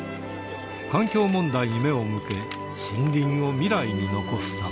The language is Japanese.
環境問題に目を向け、森林を未来に残すため。